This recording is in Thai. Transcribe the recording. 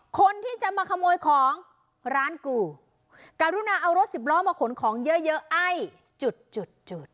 คนที่จะมาขโมยของร้านกูการุณาเอารถสิบล้อมาขนของเยอะเยอะไอ้จุดจุดจุด